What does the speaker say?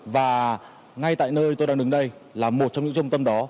và ngay tại nơi tôi đang đứng đây là một trong những trung tâm đó